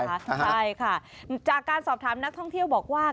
ใช่ค่ะจากการสอบถามนักท่องเที่ยวบอกว่า